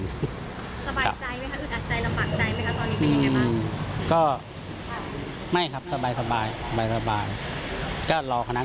สบายใจไหมครับคุณอาจารย์ระหว่างใจไหมครับตอนนี้เป็นอย่างไรบ้าง